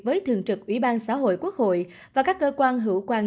với thường trực ủy ban xã hội quốc hội và các cơ quan hữu quan